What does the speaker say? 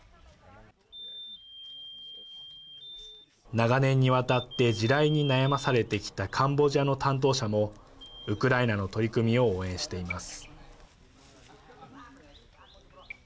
長年にわたって地雷に悩まされてきたカンボジアの担当者もウクライナの取り組みを応援しています。